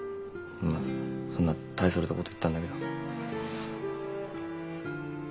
そんな大それたこと言ったんだけど。